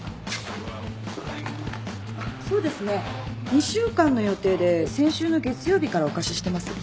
２週間の予定で先週の月曜日からお貸ししてます。